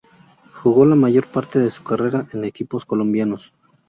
Jugó la mayor parte de su carrera en equipos colombianos.